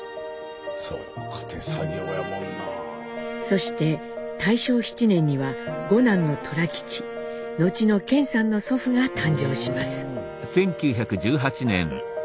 そして大正７年には５男の寅吉後の顕さんの祖父が誕生します。